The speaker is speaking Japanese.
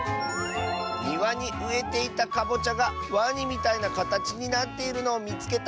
「にわにうえていたカボチャがワニみたいなかたちになっているのをみつけた！」。